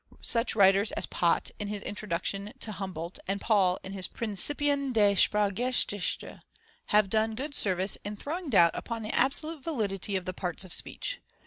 Such writers as Pott, in his introduction to Humboldt, and Paul in his Principien d. Sprachgeschichte, have done good service in throwing doubt upon the absolute validity of the parts of speech.